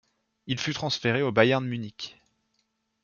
Il fut transféré au Bayern Munich.